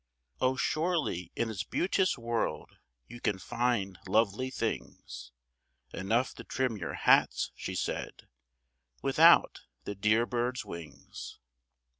"Oh, surely in this beauteous world you can find lovely things Enough to trim your hats," she said, "with out the dear birds' wings."